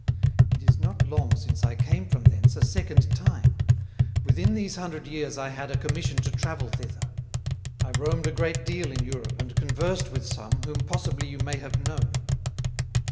It is not long since I came from thence a second time; within these Hundred Years I had a Commission to Travel thither: I roamed a great deal in Europe, and conversed with some, whom possibly you may have known.